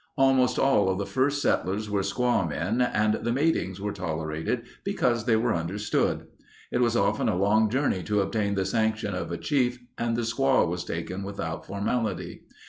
Almost all of the first settlers were squaw men and the matings were tolerated because they were understood. It was often a long journey to obtain the sanction of a Chief and the squaw was taken without formality.